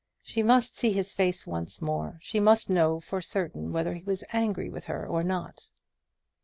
She must see his face once more: she must know for certain whether he was angry with her or not.